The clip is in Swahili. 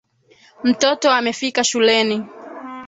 Mtoto amefika shuleni